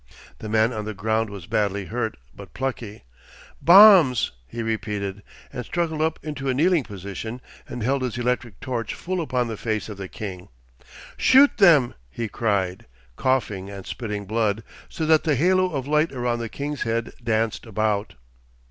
The man on the ground was badly hurt but plucky. 'Bombs,' he repeated, and struggled up into a kneeling position and held his electric torch full upon the face of the king. 'Shoot them,' he cried, coughing and spitting blood, so that the halo of light round the king's head danced about.